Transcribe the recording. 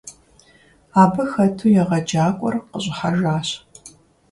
Абы хэту егъэджакӏуэр къыщӀыхьэжащ.